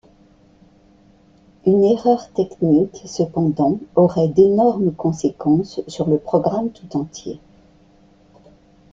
Une erreur technique, cependant, aurait d'énormes conséquences sur le programme tout entier.